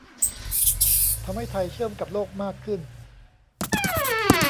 ทำให้ไทยเชื่อมกับโลกมากขึ้น